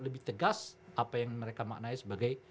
lebih tegas apa yang mereka maknai sebagai